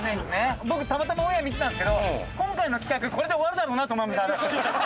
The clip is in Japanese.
僕たまたまオンエア見てたんですけど今回の企画これで終わるだろうなと思いましたあれ。